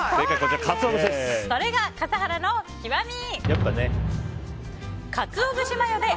それが笠原の極み。